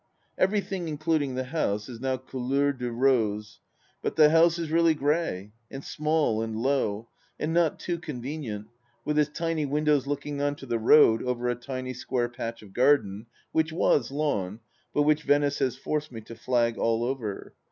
Everything, including the house, is now couleur de rose. But the house is really grey, and small and low, and not too convenient, with its tiny windows looking on to the road over a tiny square patch of garden, which was lawn, but which Venice has forced me to flag all over.